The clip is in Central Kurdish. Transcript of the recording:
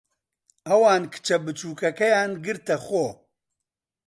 ئەوان کچە بچووکەکەیان گرتەخۆ.